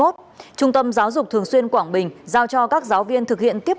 trung tâm giáo dục thường xuyên quảng bình